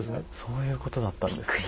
そういうことだったんですね。